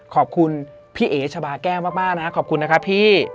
ขอบคุณพี่เอ๋ชะบาแก้วมากนะขอบคุณนะครับพี่